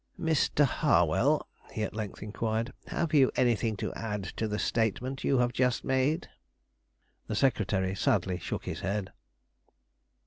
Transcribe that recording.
"Mr. Harwell," he at length inquired, "have you anything to add to the statement you have just made?" The secretary sadly shook his head.